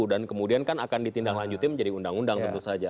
dan kemudian kan akan ditindaklanjutin menjadi undang undang tentu saja